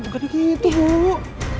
bukan gitu bu